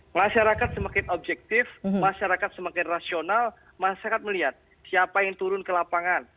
masyarakat semakin objektif masyarakat semakin rasional masyarakat melihat siapa yang turun ke lapangan